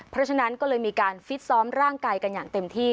เพราะฉะนั้นก็เลยมีการฟิตซ้อมร่างกายกันอย่างเต็มที่